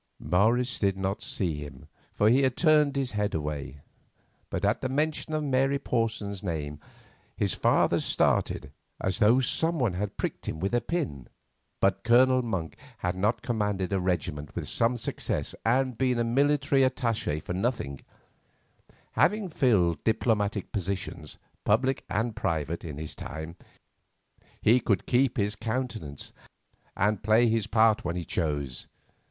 Morris did not see him, for he had turned his head away; but at the mention of Mary Porson's name his father started, as though someone had pricked him with a pin. But Colonel Monk had not commanded a regiment with some success and been a military attache for nothing; having filled diplomatic positions, public and private, in his time, he could keep his countenance, and play his part when he chose.